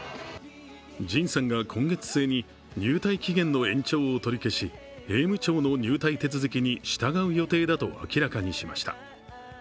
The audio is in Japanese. ＪＩＮさんが今月末に入隊期限の延長を取り消し兵務庁の入隊手続きに従う予定だと明らかにしました。